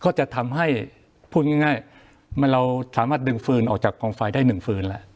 ก็จะทำให้พูดง่ายเราสามารถดึงฟืนออกจากกองไฟได้หนึ่งฟืนแล้ว